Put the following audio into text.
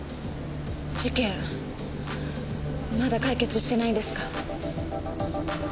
まだ解決してないんですか？